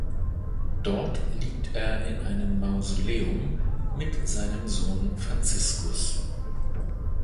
Dort liegt er in einem Mausoleum mit seinem Sohn Franciscus.